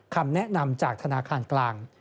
คำแนะนำจากธนาคารกลาง